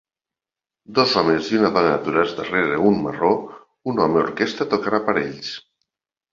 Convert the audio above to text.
Dos homes i una dona aturats darrere un marró un home orquestra tocant aparells.